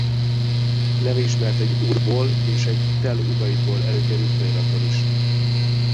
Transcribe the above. Neve ismert egy Urból és egy Tell-Ubaidból előkerült feliratból is.